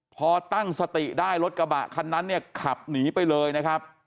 พอตั้งสติได้รถกระบะคันนั้นเนี่ยขับหนีไปเลยนะครับ